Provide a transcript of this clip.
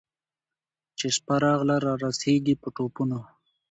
چي شپه راغله رارسېږي په ټوپونو